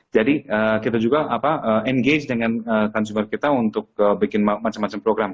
jadi kita juga engage dengan consumer kita untuk bikin macam macam program